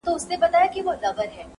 ګلکده وجود دي تاته مبارک وي,